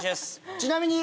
ちなみに。